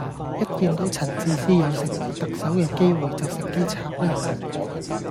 一見到陳智思有成為特首嘅機會就乘機插啦